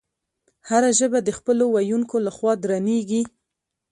هره ژبه د خپلو ویونکو له خوا درنیږي.